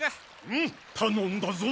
うむたのんだぞ。